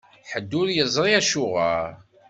Ḥedd ur yeẓri acuɣer.